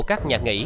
các nhà nghỉ